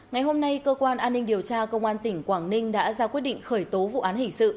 ngày hôm nay cơ quan an ninh điều tra công an tỉnh quảng ninh đã ra quyết định khởi tố vụ án hình sự